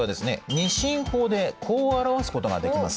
２進法でこう表すことができます。